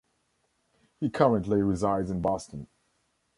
He currently resides in Boston.